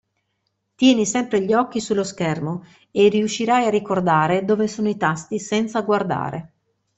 Tieni sempre gli occhi sullo schermo, e riuscirai a ricordare dove sono i tasti senza guardare.